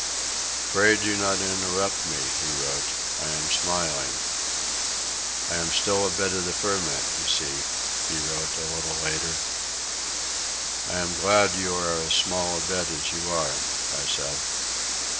"Pray do not interrupt me," he wrote. "I am smiling." "I am still a bit of the ferment, you see," he wrote a little later. "I am glad you are as small a bit as you are," I said.